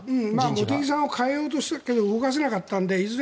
茂木さんを代えようとしたけど動かせなかったのでいずれ